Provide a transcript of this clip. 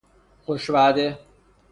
خوش وعده